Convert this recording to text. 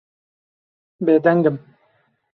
Bêdeng im.